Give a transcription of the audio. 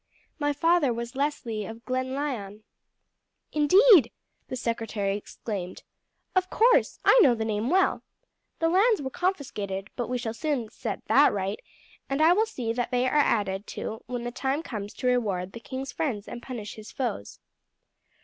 "My father was Leslie of Glenlyon." "Indeed!" the secretary exclaimed. "Of course, I know the name well. The lands were confiscated; but we shall soon set that right, and I will see that they are added to when the time comes to reward the king's friends and punish his foes."